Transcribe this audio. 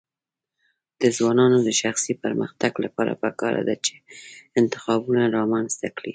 د ځوانانو د شخصي پرمختګ لپاره پکار ده چې انتخابونه رامنځته کړي.